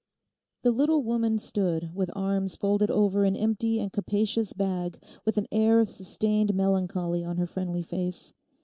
The little woman stood with arms folded over an empty and capacious bag, with an air of sustained melancholy on her friendly face.